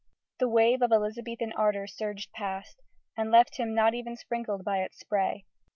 The wave of Elizabethan ardour surged past, and left him not even sprinkled by its spray.